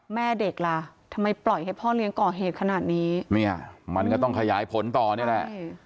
แม่เด็กล่ะทำไมปล่อยให้พ่อเลี้ยงก่อเหตุขนาดนี้เนี่ยมันก็ต้องขยายผลต่อนี่แหละ